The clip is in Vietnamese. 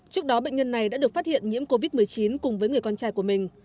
trước đó bệnh nhân này đã được phát hiện nhiễm covid một mươi chín cùng với người con trai của mình